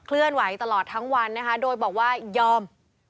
เลื่อนไหวตลอดทั้งวันนะคะโดยบอกว่ายอม